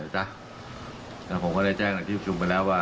จักครับผมก็ได้แจ้งในคิบชุมไปแล้วว่า